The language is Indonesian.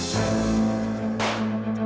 makasih dek ya